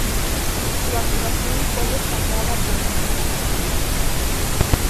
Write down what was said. Su actuación fue destacada por la crítica.